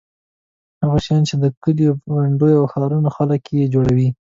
هغه شیان چې د کلیو بانډو او ښارونو خلک یې جوړوي.